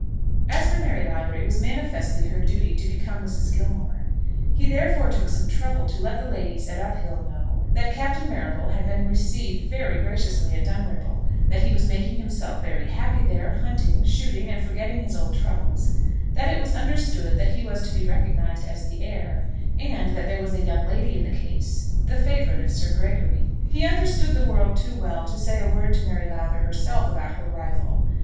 As for Mary Lowther, it was manifestly her duty to become Mrs. Gilmore. He therefore took some trouble to let the ladies at Uphill know that Captain Marrable had been received very graciously at Dunripple; that he was making himself very happy there, hunting, shooting, and forgetting his old troubles; that it was understood that he was to be recognised as the heir; and that there was a young lady in the case, the favourite of Sir Gregory. He understood the world too well to say a word to Mary Lowther herself about her rival.